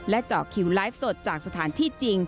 เจาะคิวไลฟ์สดจากสถานที่จริง